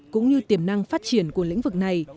cũng như tiềm năng phát triển của lĩnh vực này